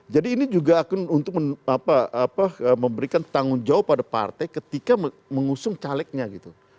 jadi ini juga akan untuk memberikan tanggung jawab pada partai ketika mengusung calegnya gitu